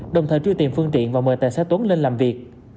đồng thời truy tìm phương tiện và mời tài xế tuấn lên làm việc